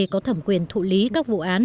có thẩm quyền thụ lý các vụ án